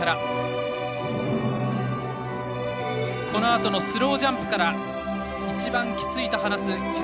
このあとのスロージャンプから一番キツいと話す木原。